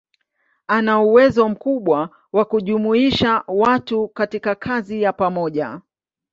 Ana uwezo mkubwa wa kujumuisha watu katika kazi ya pamoja.